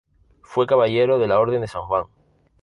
Fue caballero de la Orden de San Juan.